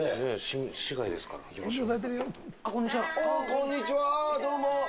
こんにちは、どうも。